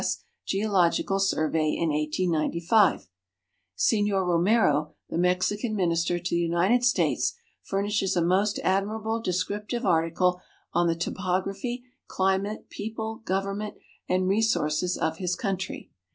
S. Geological Survey in 1895." Signor Romero, the Mexican Minister to the United States, furnishes a most admirable descriptive article on the topography, climate, people, government, and resources of his country.